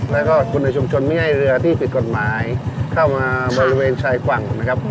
แล้วก็คนในชุมชนไม่ให้เรือที่ผิดกฎหมายเข้ามาบริเวณชายฝั่งนะครับ